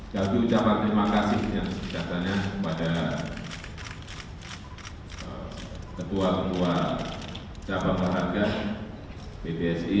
jalju ucapan terima kasih yang sejajarnya kepada ketua ketua capang pahragan bpsi